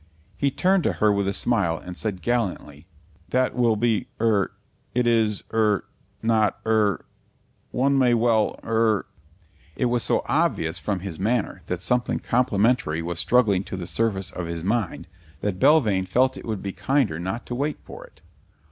He turned to her with a smile and said gallantly, "That will be er It is er not er . One may well er " It was so obvious from his manner that something complimentary was struggling to the surface of his mind, that Belvane felt it would be kinder not to wait for it.